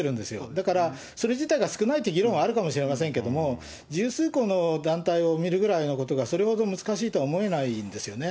だからそれ自体が少ないっていう議論はあるかもしれませんけれども、十数個の団体を見るぐらいのことがそれほど難しいとは思えないんですよね。